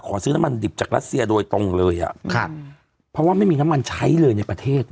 ซื้อน้ำมันดิบจากรัสเซียโดยตรงเลยอ่ะครับเพราะว่าไม่มีน้ำมันใช้เลยในประเทศ